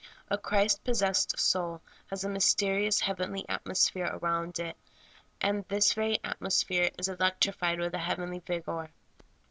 A Christ possessed soul has a mysterious, heavenly at mosphere around it, and this very atmosphere is elec trified with a heavenly vigor.